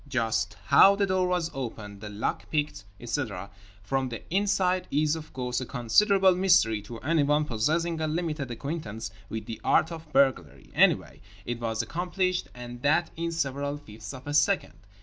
Just how the door was opened, the lock picked, etc., from the inside is (of course) a considerable mystery to anyone possessing a limited acquaintance with the art of burglary. Anyway it was accomplished, and that in several fifths of a second.